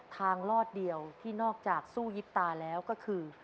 ลอดเดียวที่นอกจากสู้ยิบตาแล้วก็คือ